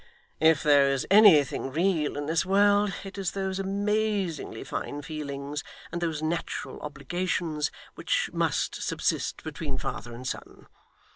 'If there is anything real in this world, it is those amazingly fine feelings and those natural obligations which must subsist between father and son.